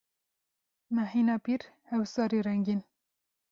Mehîna pîr, hefsarê rengîn.